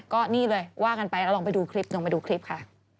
ก็นี่เลยว่ากันไปแล้วลองไปดูคลิปลองไปดูคลิปค่ะ